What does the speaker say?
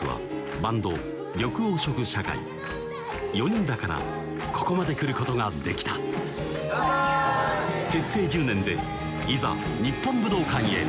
４人だからここまで来ることができた結成１０年でいざ日本武道館へ